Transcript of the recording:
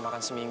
buh deh nih